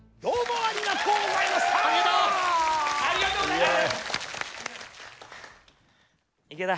ありがとうございます。